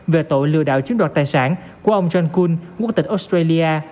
về tội lừa đạo chiếm đoạt tài sản của ông john kuhn quốc tịch australia